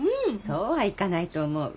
そうはいかないと思う。